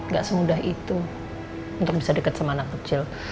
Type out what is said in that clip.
ga semudah itu untuk bisa deket sama anak kecil